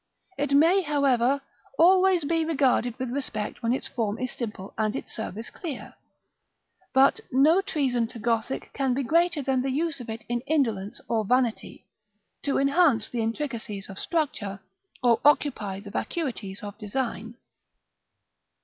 It may, however, always be regarded with respect when its form is simple and its service clear; but no treason to Gothic can be greater than the use of it in indolence or vanity, to enhance the intricacies of structure, or occupy the vacuities of design.